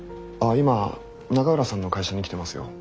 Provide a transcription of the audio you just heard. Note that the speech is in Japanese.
今永浦さんの会社に来てますよ。